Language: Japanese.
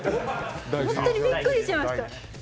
本当にびっくりしました。